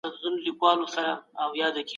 د ښوونکو روزنې ته باید ځانګړې پاملرنه وسي.